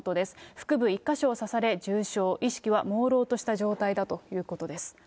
腹部１か所を刺され重傷、意識はもうろうとした状態だということです。